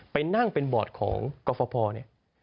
ไปนั่งเป็นบอร์ดของกรฟภเนี่ย